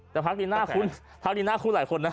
แต่พักดีหน้าคุ้นพักดีหน้าคุ้นหลายคนนะ